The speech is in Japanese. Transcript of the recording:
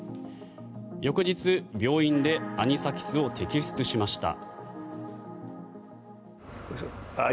翌日、病院でアニサキスを摘出しました。